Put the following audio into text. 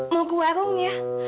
mau keluar ya